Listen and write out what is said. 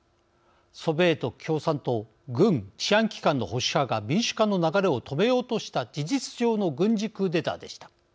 ソビエト共産党、軍治安機関の保守派が民主化の流れを止めようとした事実上の軍事クーデターでした。